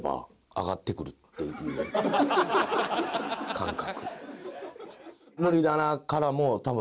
感覚。